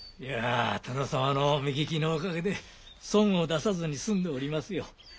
いやあ殿様の目利きのおかげで損を出さずに済んでおりますよ。